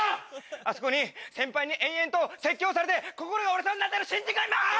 あそこに先輩に延々と説教されて心が折れそうになってる新人がいます！